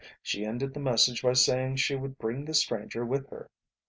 She ended the message by saying she would bring the stranger with her.